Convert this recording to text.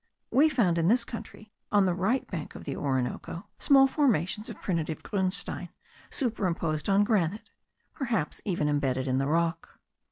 We found in this country, on the right bank of the Orinoco, small formations of primitive grunstein, superimposed on granite (perhaps even embedded in the rock).